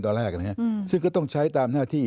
ตอนแรกนะฮะซึ่งก็ต้องใช้ตามหน้าที่